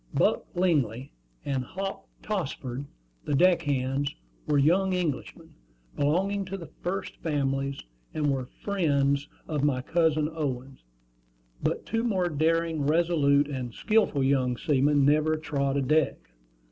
Buck Lingley and Hop Tossford, the deck hands, were young Englishmen, belonging to the "first families," and were friends of my cousin Owen; but two more daring, resolute, and skilful young seamen never trod a deck.